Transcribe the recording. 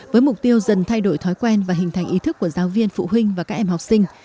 với mục tiêu dần thay đổi thói quen và hình thành ý thức của giáo viên phụ huynh và các em học sinh